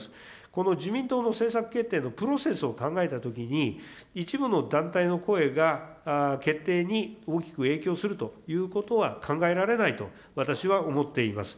この自民党の政策決定のプロセスを考えたときに、一部の団体の声が決定に大きく影響するということは考えられないと私は思っています。